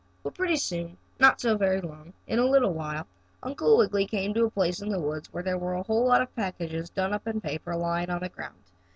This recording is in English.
Well, pretty soon, not so very long, in a little while, Uncle Wiggily came to a place in the woods where there were a whole lot of packages done up in paper lying on the ground.